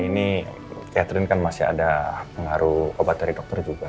ini catherine kan masih ada pengaruh obat dari dokter juga